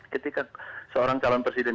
ketika seorang calon presiden